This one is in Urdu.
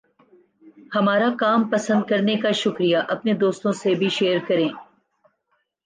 ہمارا کام پسند کرنے کا شکریہ! اپنے دوستوں سے بھی شیئر کریں۔